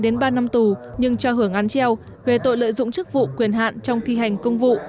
bùi văn tiệp hai ba năm tù nhưng cho hưởng án treo về tội lợi dụng chức vụ quyền hạn trong thi hành công vụ